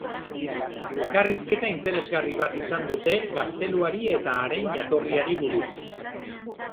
Elkarrizketa interesgarri bat izan dute gazteluari eta haren jatorriari buruz.